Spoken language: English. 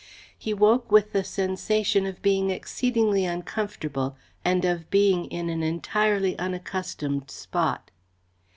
He woke with the sensation of being exceedingly uncomfortable and of being in an entirely unaccustomed spot.